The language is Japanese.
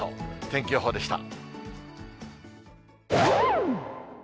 天気予報でした。